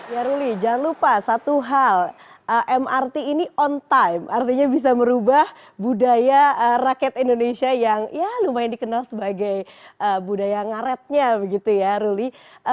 ya ruli jangan lupa satu hal mrt ini on time artinya bisa merubah budaya rakyat indonesia yang ya lumayan dikenal sebagai budaya ngaretnya begitu ya ruli